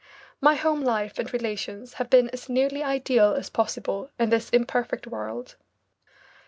My home life and relations have been as nearly ideal as possible in this imperfect world.